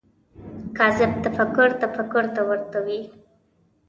کاذب تفکر تفکر ته ورته وي